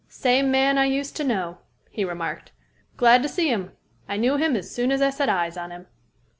"Same man I used to know," he remarked. "Glad to see him. I knew him as soon as I set eyes on him."